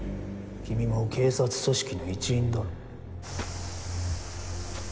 君も警察組織の一員だろ。